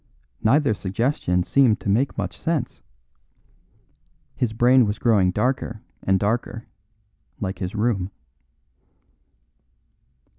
Neither suggestion seemed to make much sense. His brain was growing darker and darker, like his room.